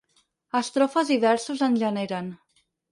Estrofes i versos en generen.